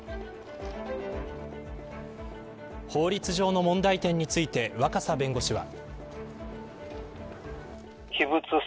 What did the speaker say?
法律上の問題点について若狭弁護士は。